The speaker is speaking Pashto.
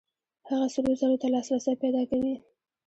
هغه سرو زرو ته لاسرسی پیدا کوي.